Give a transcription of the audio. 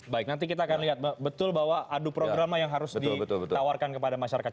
baik nanti kita akan lihat betul bahwa adu program yang harus ditawarkan kepada masyarakat